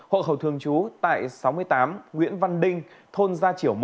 hộ khẩu thường trú tại sáu mươi tám nguyễn văn đinh thôn gia triểu một